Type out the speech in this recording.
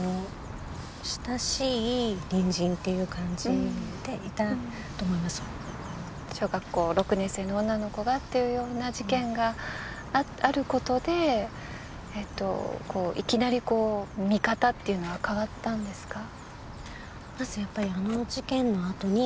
その答えは意外なものでした小学校６年生の女の子がというような事件があることでいきなり見方っていうのは変わったんですか？